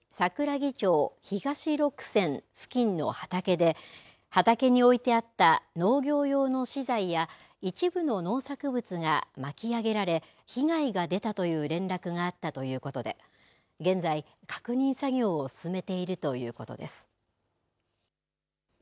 ぎ町ひがしろくせん付近の畑で、畑に置いてあった農業用の資材や、一部の農作物が巻き上げられ、被害が出たという連絡があったということで、現在、確認作業を進めているということです。